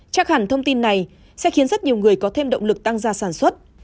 chắc hẳn thông tin này sẽ khiến rất nhiều người có thêm động lực tăng ra sản xuất